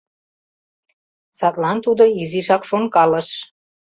Садлан тудо изишак шонкалыш.